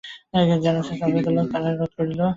কে যেন চাপিয়া ধরিল, তাঁহার যেন নিশ্বাস রোধ করিল।